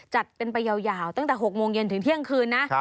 จัดเป็นไปยาวตั้งแต่๖โมงเย็นถึงเที่ยงคืนนะ